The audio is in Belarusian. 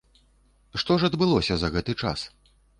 Што ж адбылося за гэты час?